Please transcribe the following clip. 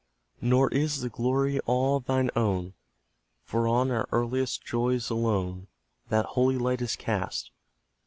Nor is the glory all thine own, For on our earliest joys alone That holy light is cast.